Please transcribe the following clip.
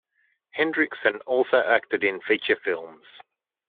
Hendrickson also acted in feature films.